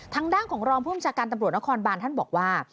ทางด้านของรองผู้บัญชาการตำรวจนครบานท่านบอกว่า